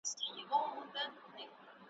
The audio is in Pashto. څومره طنازه څومره خوږه یې ,